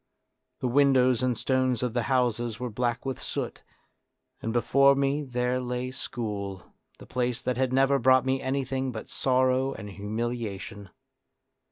The windows A DRAMA OF YOUTH 45 and stones of the houses were black with soot, and before me there lay school, the place that had never brought me anything but sorrow and humiliation.